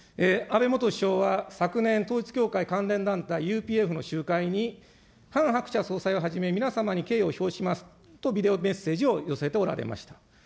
安倍元首相は、昨年、統一教会関連団体、ＵＰＦの集会に、ハン・ハクチャ総裁に、皆様に敬意を表しますとビデオメッセージを寄せておられました。